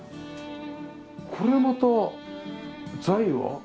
これはまた材は？